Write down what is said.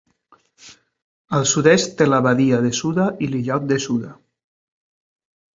Al sud-est té la badia de Suda i l'illot de Suda.